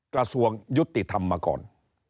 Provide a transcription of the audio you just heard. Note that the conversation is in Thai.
กระทรวงยุติธรรมมาก่อน